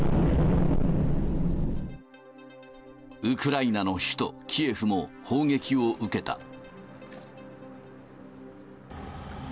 ウクライナの首都キエフも砲撃を受けた。